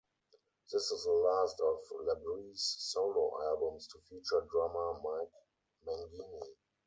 This is the last of LaBrie's solo albums to feature drummer Mike Mangini.